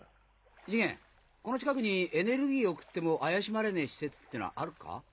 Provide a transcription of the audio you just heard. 次元この近くにエネルギーを食っても怪しまれねえ施設ってのはあるか？